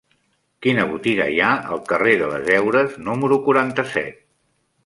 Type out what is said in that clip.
Quina botiga hi ha al carrer de les Heures número quaranta-set?